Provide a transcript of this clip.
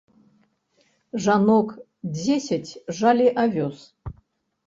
Жанок дзесяць жалі авёс.